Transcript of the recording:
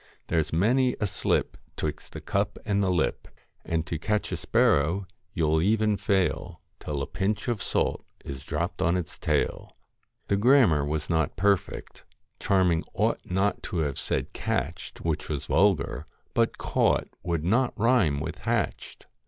wI5 There is many a slip rni APNT Twixt the cup and the lip. LOCKS And to catch a sparrow you '11 even fail Till a pinch of salt is dropped on its tail.' The grammar was not perfect ; Charming ought not to have said 'catched,' which was vulgar, but 'caught' would not rhyme with 'hatched.'